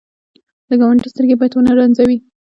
د ګاونډي سترګې باید ونه رنځوې